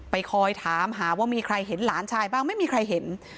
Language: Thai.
คอยถามหาว่ามีใครเห็นหลานชายบ้างไม่มีใครเห็น